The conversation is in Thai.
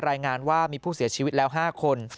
รายงานว่ามีผู้เสียชีวิตแล้ว๕คน